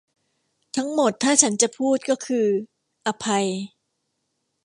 ทั้งหมดถ้าฉันจะพูดก็คืออภัย